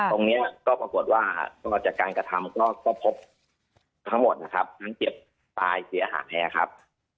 ตรงนี้ก็ปรากฏว่าตลอดจากการกระทำก็พบทั้งหมดนะครับทั้งเจ็บตายเสียหายแท้ครับ